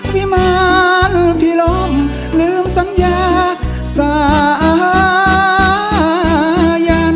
วิมาลพิลมลืมสัญญาสะอาญัน